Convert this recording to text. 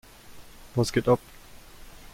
Was geht ab?